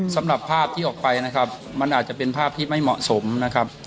สำหรับภาพที่ออกไปนะครับมันอาจจะเป็นภาพที่ไม่เหมาะสมนะครับ